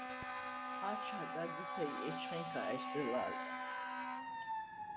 აჩად აგითე ი ეჩხენქა ესზელა̄ლე.